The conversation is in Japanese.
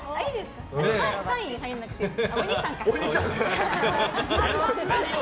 ３位に入らなくてもいいの？